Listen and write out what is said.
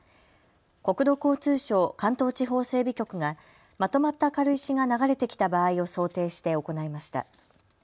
国土交通省関東地方整備局がまとまった軽石が流れてきた場合を想定して行いました。